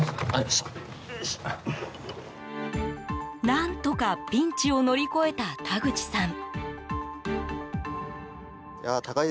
何とかピンチを乗り越えた田口さん。